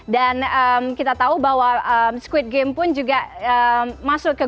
dan kita tahu bahwa squid game pun juga masuk ke golden globes